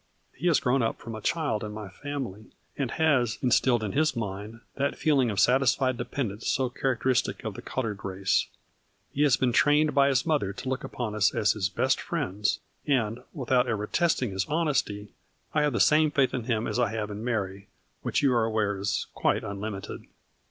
He has grown up from a child in my family, and has, instilled in his mind, that feeling of satisfied dependence so charac teristic of the colored race. He has been trained by his mother to look upon us as his best friends, and, without ever testing 38 A FLURRY IN DIAMONDS. his honesty, I have the same faith in him as I have in Mary, which you are aware is quite unlimited.